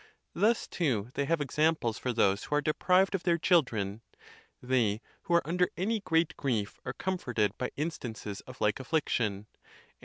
Thus, too, they have examples for those who are deprived of their children: they who are under any great grief are comforted by instances of like affliction; and thus the en